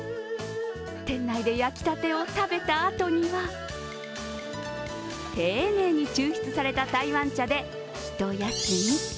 店内で焼きたてを食べたあとには、丁寧に抽出された台湾茶で一休み。